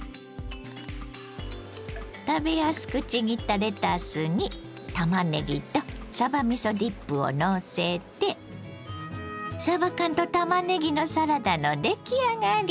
食べやすくちぎったレタスにたまねぎとさばみそディップをのせてさば缶とたまねぎのサラダの出来上がり。